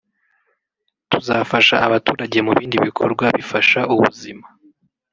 “Tuzafasha abaturage mu bindi bikorwa bifasha ubuzima